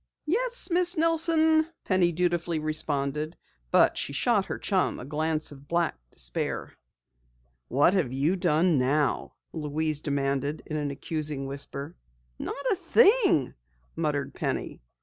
"Yes, Miss Nelson," Penny dutifully responded, but she shot her chum a glance of black despair. "What have you done now?" Louise demanded in an accusing whisper. "Not a thing," muttered Penny.